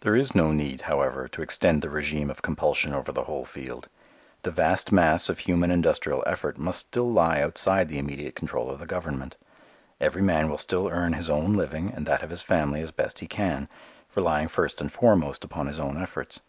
There is no need, however, to extend the régime of compulsion over the whole field. The vast mass of human industrial effort must still lie outside of the immediate control of the government. Every man will still earn his own living and that of his family as best he can, relying first and foremost upon his own efforts.